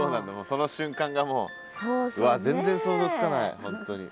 その瞬間がもううわっ全然想像つかない本当に。